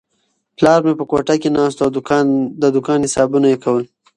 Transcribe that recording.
پلار مې په کوټه کې ناست و او د دوکان حسابونه یې کول.